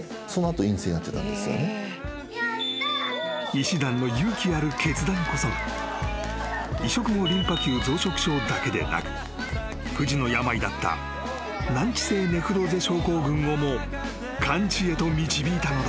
［医師団の勇気ある決断こそが移植後リンパ球増殖症だけでなく不治の病だった難治性ネフローゼ症候群をも完治へと導いたのだ］